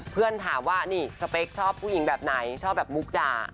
เพื่อนถามว่านี่สเปคชอบผู้หญิงแบบไหนชอบแบบมุกด่า